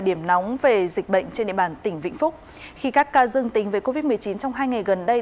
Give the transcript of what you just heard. điểm nóng về dịch bệnh trên địa bàn tỉnh vĩnh phúc khi các ca dương tính với covid một mươi chín trong hai ngày gần đây